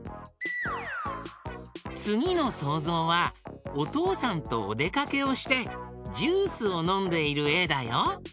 つぎのそうぞうはおとうさんとおでかけをしてジュースをのんでいるえだよ。